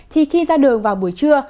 thì khi ra đường vào buổi trưa